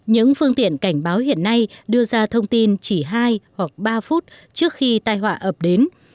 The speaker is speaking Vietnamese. những phương tiện cảnh báo hiện nay đưa ra thông tin chỉ hai hoặc ba phút trước khi tai họa ập đến